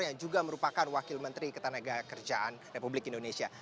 yang juga merupakan wakil menteri ketenaga kerjaan republik indonesia